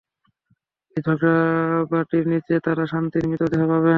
এই ঝাড়বাটির নীচে, তারা শান্তির মৃতদেহ পাবে।